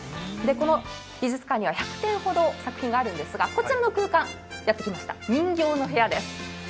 この美術館には１００点ほど作品があるんですが、こちらの空間、人形の部屋です。